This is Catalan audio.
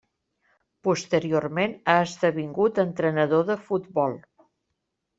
Posteriorment ha esdevingut entrenador de futbol.